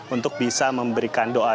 untuk bisa memberikan doa